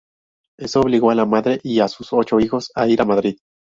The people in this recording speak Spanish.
Eso obligó a la madre y a sus ocho hijos a ir a Madrid.